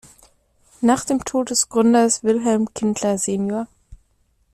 Nach dem Tod des Gründers Wilhelm Kindler sen.